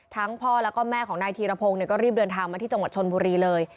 พ่อแล้วก็แม่ของนายธีรพงศ์ก็รีบเดินทางมาที่จังหวัดชนบุรีเลย